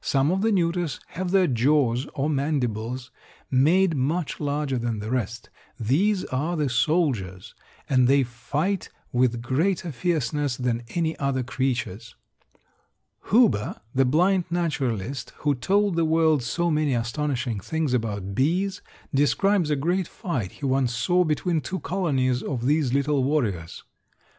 Some of the neuters have their jaws, or mandibles, made much larger than the rest. These are the soldiers, and they fight with greater fierceness than any other creatures. Huber, the blind naturalist who told the world so many astonishing things about bees, describes a great fight he once saw between two colonies of these little warriors.